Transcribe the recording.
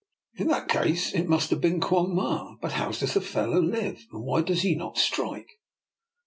" In that case it must have been Quong Ma. But how does the fellow live? and why does he not strike?